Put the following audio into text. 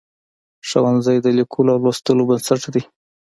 ښوونځی د لیکلو او لوستلو بنسټ دی.